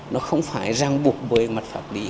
nó không phải ràng buộc bởi mặt pháp lý